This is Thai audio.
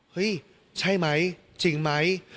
เฮ้ยใช่มั้ยจริงมั้ย